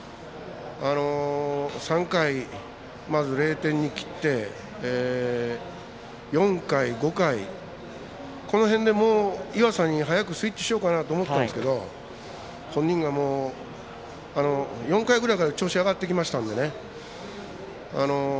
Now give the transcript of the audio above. ３回、まず０点に切って４回、５回、この辺で岩佐に早くスイッチしようかなと思ったんですけど本人が４回ぐらいから調子が上がってきましたので。